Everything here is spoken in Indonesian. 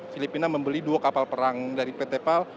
filipina membeli dua kapal perang dari pt pal